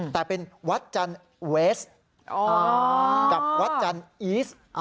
แต่เป็นวัดจันทร์เวสต์กับวัดจันทร์อีสต์